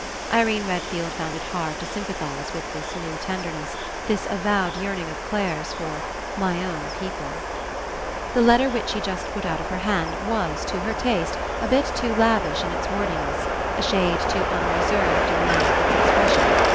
Irene Redfield found it hard to sympa thize with this new tenderness, this avowed yearning of Clare's for "my own people." 88 RE ENCOUNTER The letter which she just put out of her hand was, to her taste, a bit too lavish in its wordiness, a shade too unreserved in the man ner of its expression.